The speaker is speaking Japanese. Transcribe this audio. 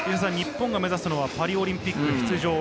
日本が目指すのはパリオリンピック出場。